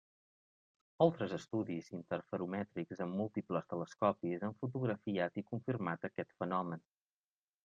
Altres estudis interferomètrics amb múltiples telescopis han fotografiat i confirmat aquest fenomen.